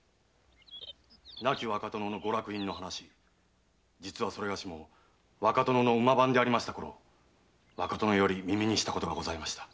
亡き若殿のご落胤の話実はそれがしも若殿の馬番でありましたころ若殿より耳にしたことがございました。